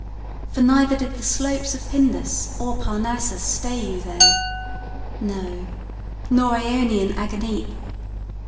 for neither did the slopes Of Pindus or Parnassus stay you then, No, nor Aonian Aganippe.